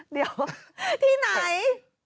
เดี๋ยวที่ไหน